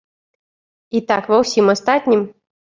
І так ва ўсім астатнім.